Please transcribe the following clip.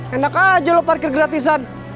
enak aja lo parkir gratisan